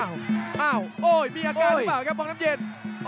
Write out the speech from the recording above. อ้าวโอ้ยมีอาการหรือเปล่าครับวังน้ำเย็น